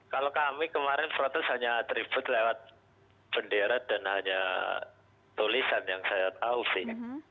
kalau kami kemarin protes hanya atribut lewat bendera dan hanya tulisan yang saya tahu sih